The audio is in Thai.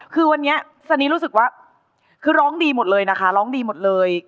คือวันนี้สนีรู้สึกว่าคือร้องดีหมดเลยนะคะร้องดีหมดเลย